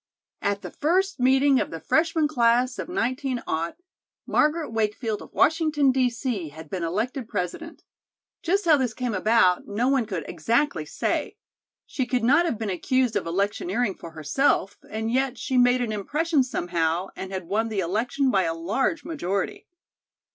At the first meeting of the freshman class of 19 , Margaret Wakefield of Washington, D. C., had been elected President. Just how this came about no one could exactly say. She could not have been accused of electioneering for herself, and yet she made an impression somehow and had won the election by a large majority.